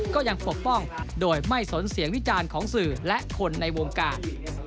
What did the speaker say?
ปกป้องโดยไม่สนเสียงวิจารณ์ของสื่อและคนในวงการ